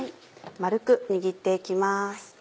丸く握って行きます。